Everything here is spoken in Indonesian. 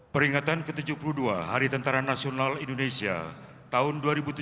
peringatan ke tujuh puluh dua hari tentara nasional indonesia tahun dua ribu tujuh belas